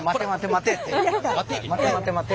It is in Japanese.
「待て待て待て」。